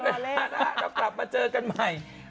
เรากลับมาเจอกันใหม่